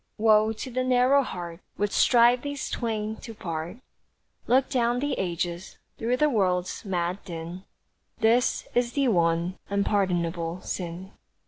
Woe to the narrow heart Would strive these twain to part; Look down the ages, through the world's mad din, This is the one unpardonable sin.